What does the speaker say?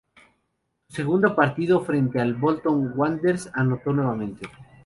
Su segundo partido frente al Bolton Wanderers anotó nuevamente.